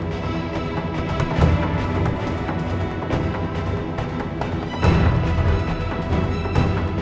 berikan saya kesempatan dan waktu lagi pak